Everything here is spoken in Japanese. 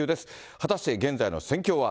果たして現在の戦況は。